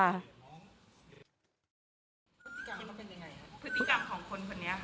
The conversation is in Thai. พฤติกรรมของคนคนนี้ค่ะ